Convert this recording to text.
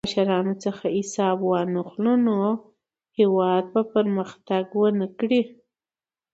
که له مشرانو څخه حساب وانخلو، نو هېواد به پرمختګ ونه کړي.